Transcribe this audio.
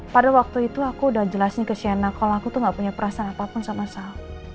pada waktu itu aku udah jelasin ke shena kalau aku tuh gak punya perasaan apapun sama saya